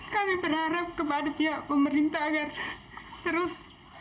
kami berharap kepada pihak pemerintah agar terus